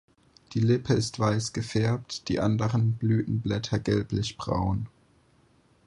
Die Lippe ist weiß gefärbt, die anderen Blütenblätter gelblich-braun.